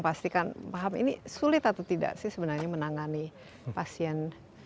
pastikan paham ini sulit atau tidak sih sebenarnya menangani pasien